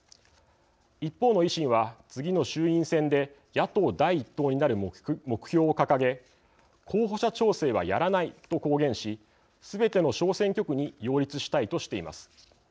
一方の維新は、次の衆院選で野党第１党になる目標を掲げ候補者調整はやらないと公言しすべての小選挙区に擁立したいとしています。